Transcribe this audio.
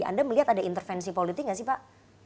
anda melihat ada intervensi politik nggak sih pak